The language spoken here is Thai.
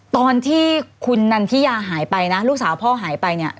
ตอนที่คุณนันทิยาหายไปนะลูกสาวพ่อหายไปเนี่ย